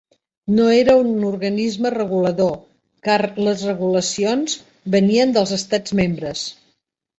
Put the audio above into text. No era un organisme regulador, car les regulacions venien dels estats membres.